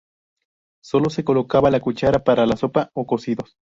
Sólo se colocaba la cuchara para las sopa o cocidos.